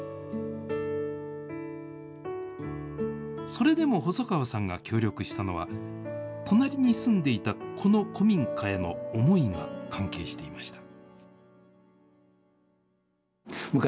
それでも細川さんが協力したのは、隣に住んでいたこの古民家への思いが関係していました。